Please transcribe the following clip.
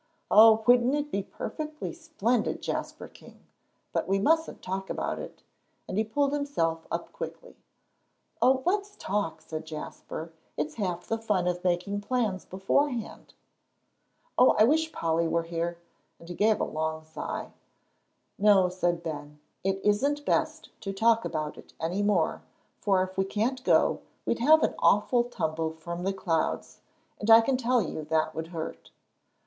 Oh, wouldn't it be perfectly splendid, Jasper King! But we mustn't talk about it," and he pulled himself up quickly. "Oh, let's talk," said Jasper, "it's half the fun of making plans beforehand. Oh, I wish Polly was here," and he gave a long sigh. "No," said Ben, "it isn't best to talk about it any more, for if we can't go, we'd have an awful tumble from the clouds, and I can tell you that would hurt."